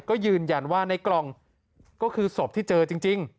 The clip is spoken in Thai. ก็ยืนยันว่าในกล่องก็คือศพที่เจอจริง